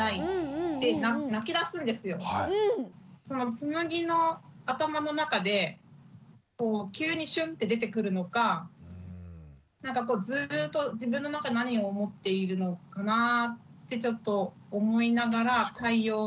つむぎの頭の中で急にシュンって出てくるのかなんかずっと自分の中何を思っているのかなぁってちょっと思いながら対応が悩みます。